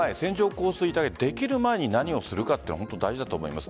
降水帯できる前に何をするかが大事だと思います。